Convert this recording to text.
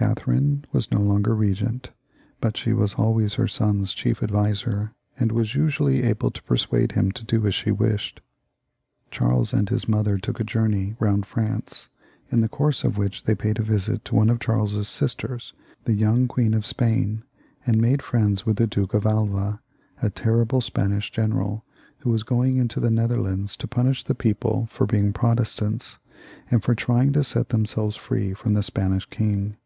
y Catherine was no longer regent, but she was jJways her son's chief adviser, and was usually able to persuade him to do as she wished. Charles and his mother took a journey round France, in the course of which they paid a visit to I I XXXVIII.] CHARLES IX, 211 one of Chaxles's sisters, the young Queen of Spain, and made friends with the Duke of Alva, a terrible Spanish general, who was going into the Netherlands to punish the people for being Protestants, and for trying to set them selves free from the Spanish king.